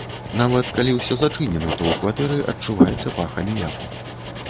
Нават, калі ўсё зачынена, то ў кватэры адчуваецца пах аміяку.